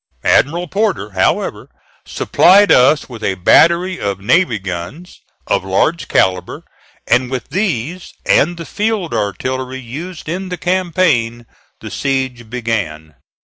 Admiral Porter, however, supplied us with a battery of navy guns of large calibre, and with these, and the field artillery used in the campaign, the siege began.